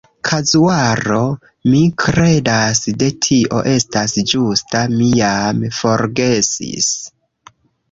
"Kazuaro". Mi kredas, ke tio estas ĝusta, mi jam forgesis.